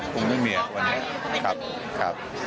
แต่บที่ว่าเลือดออกไปนะครับ